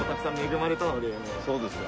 そうですか。